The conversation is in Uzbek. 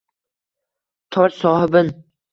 Toj sohibin